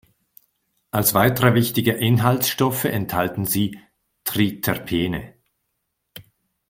Als weitere wichtige Inhaltsstoffe enthalten sie Triterpene.